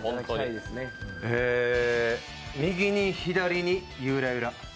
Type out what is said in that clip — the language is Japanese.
右に左にゆーらゆら。